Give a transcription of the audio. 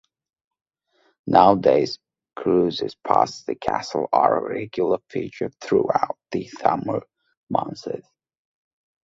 Nowadays, cruises past the castle are a regular feature throughout the summer months.